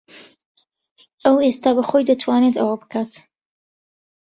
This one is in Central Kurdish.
ئەو ئێستا بەخۆی دەتوانێت ئەوە بکات.